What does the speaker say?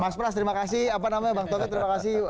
mas pras terima kasih apa namanya bang taufik terima kasih